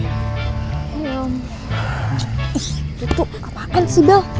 eh itu tuh apaan sih bel